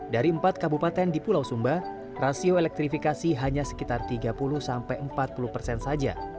dari empat kabupaten di pulau sumba rasio elektrifikasi hanya sekitar tiga puluh sampai empat puluh persen saja